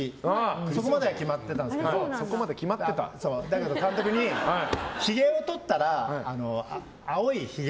そこまでは決まってたんですけどだけど監督にひげをとったら青いひげ